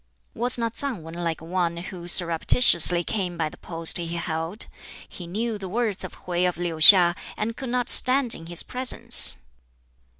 "Was not Tsang Wan like one who surreptitiously came by the post he held? He knew the worth of Hwķi of Liu hiŠ, and could not stand in his presence.